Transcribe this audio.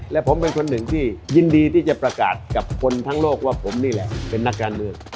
และผมเป็นคนหนึ่งที่ยินดีที่จะประกาศกับคนทั้งโลกว่าผมนี่แหละเป็นนักการเมือง